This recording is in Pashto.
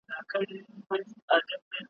له اغیار به څه ګیله وي په جانان اعتبار نسته `